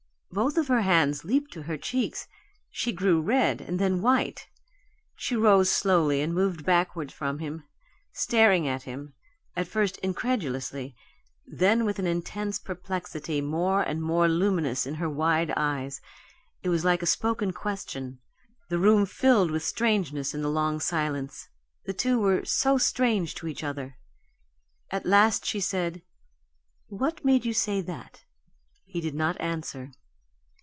Both of her hands leaped to her cheeks she grew red and then white. She rose slowly and moved backward from him, staring at him, at first incredulously, then with an intense perplexity more and more luminous in her wide eyes; it was like a spoken question. The room filled with strangeness in the long silence the two were so strange to each other. At last she said: "What made you say that?" He did not answer.